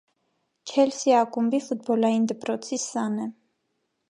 «Չելսի» ակումբի ֆուտբոլային դպրոցի սան է։